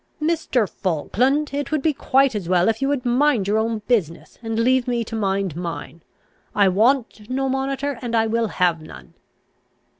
"Mr. Falkland, it would be quite as well if you would mind your own business, and leave me to mind mine. I want no monitor, and I will have none."